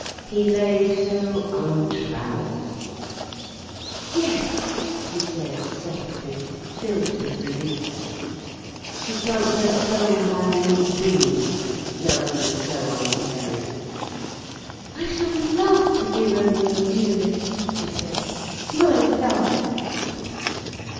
He lay so untrammelled. "Yes," she said softly, filled with relief. She felt her soul had new wings, now he was so uncaring. "I shall love to be Romeo and Juliet," she said. "My love!"